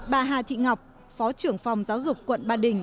bà hà thị ngọc phó trưởng phòng giáo dục quận ba đình